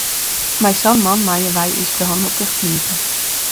Mei sa'n man meie wy ús de hannen wol tichtknipe.